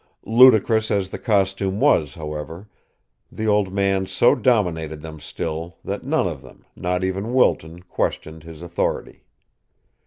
Ludicrous as the costume was, however, the old man so dominated them still that none of them, not even Wilton, questioned his authority.